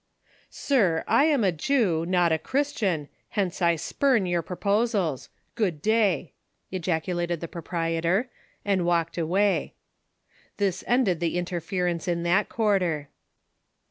"Sir, I am a Jew, not a Christian, hence I spurn your proposals! Good day," ejaculated the proprietor, and walked away. This ended the interference in that quarter.